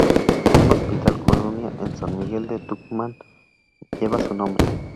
Un hospital colonia en San Miguel de Tucumán lleva su nombre.